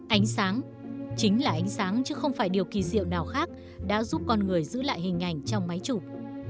ánh sáng chính là ánh sáng chứ không phải điều kỳ diệu nào khác đã giúp con người giữ lại hình ảnh trong máy chụp